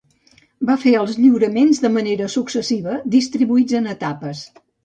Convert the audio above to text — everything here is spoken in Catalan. Va fer els lliuraments de manera successiva, distribuïts en etapes.